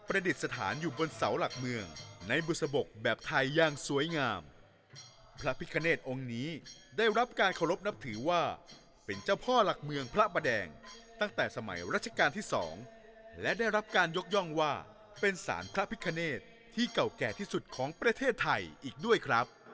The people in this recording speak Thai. รับการเคารพนับถือว่าเป็นเจ้าพ่อหลักเมืองพระประแดงตั้งแต่สมัยรัชกาลที่สองและได้รับการยกย่องว่าเป็นสารพระพิคเนตรที่เก่าแก่ที่สุดของประเทศไทยอีกด้วยครับ